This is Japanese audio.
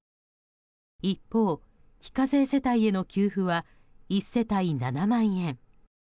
一方、非課税世帯への給付は１世帯７万円。